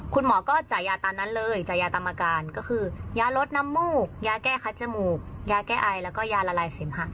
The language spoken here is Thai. คุณหมอก็จ่ายยาตามนั้นเลยจ่ายยาตามอาการก็คือยาลดน้ำมูกยาแก้คัดจมูกยาแก้ไอแล้วก็ยาละลายเสมหะ